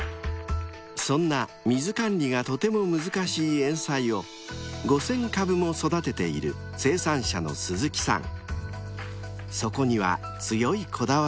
［そんな水管理がとても難しいエンサイを５，０００株も育てている生産者の鈴木さん］